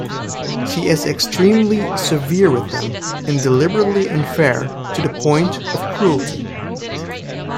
She is extremely severe with them and deliberately unfair to the point of cruelty.